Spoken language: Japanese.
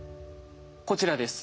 こちらです。